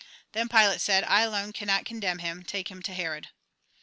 Then Pilate said :" I alone cannot condemn him ; take him to Herod."